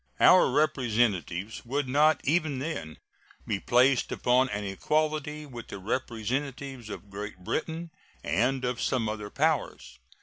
Our representatives would not even then be placed upon an equality with the representatives of Great Britain and of some other powers.